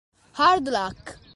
Hard Luck